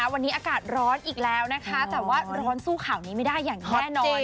วันนี้อากาศร้อนอีกแล้วนะคะแต่ว่าร้อนสู้ข่าวนี้ไม่ได้อย่างแน่นอน